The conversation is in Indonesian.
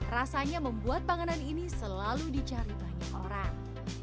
rasanya membuat panganan ini selalu dicari banyak orang